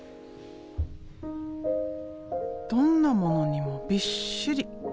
どんなものにもびっしり。